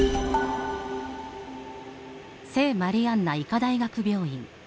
聖マリアンナ医科大学病院。